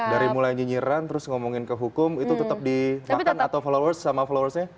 dari mulai nyinyiran terus ngomongin ke hukum itu tetap dimakan atau followers sama followersnya